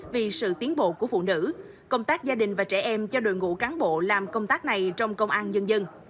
vì sự tiến bộ của phụ nữ công tác gia đình và trẻ em cho đội ngũ cán bộ làm công tác này trong công an nhân dân